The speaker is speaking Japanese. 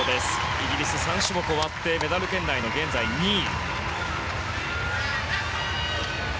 イギリス、３種目終わってメダル圏内の現在、２位。